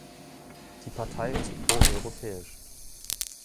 Die Partei ist pro-europäisch.